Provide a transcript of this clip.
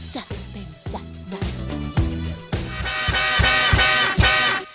จัดเต็มจัดใด